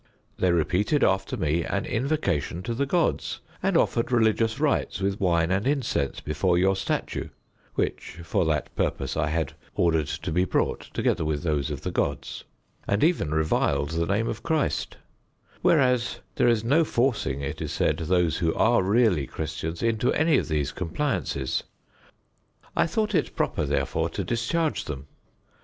They repeated after me an invocation to the gods, and offered religious rites with wine and incense before your statue (which for that purpose I had ordered to be brought, together with those of the gods), and even reviled the name of Christ: whereas there is no forcing, it is said, those who are really Christians into any of these compliances: I thought it proper, therefore, to discharge them.